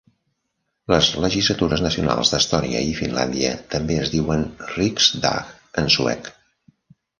Les legislatures nacionals d'Estònia i Finlàndia també es diuen Riksdag en suec.